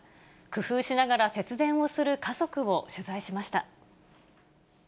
工夫しながら節電をする家族を取材しました。